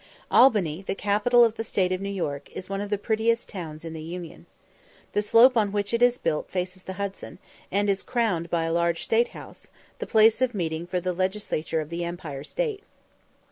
Albany, the capital of the State of New York, is one of the prettiest towns in the Union. The slope on which it is built faces the Hudson, and is crowned by a large state house, the place of meeting for the legislature of the Empire State.